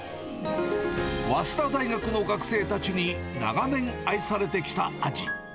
早稲田大学の学生たちに長年愛されてきた味。